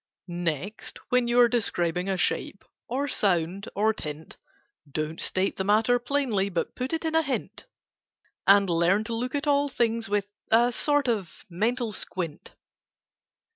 "Next, when you are describing A shape, or sound, or tint; Don't state the matter plainly, But put it in a hint; And learn to look at all things With a sort of mental squint."